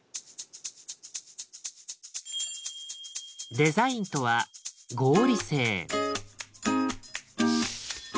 デザインとは「合理性」。